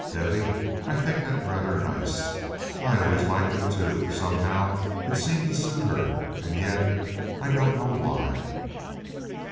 "Bevy! I think that rather nice." "I always like it, too. Somehow it seems to suit her, and yet I don't know why."